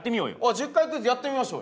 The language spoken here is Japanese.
１０回クイズやってみましょう。